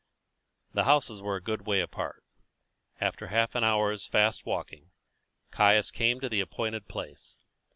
The houses were a good way apart. After half an hour's fast walking, Caius came to the appointed place.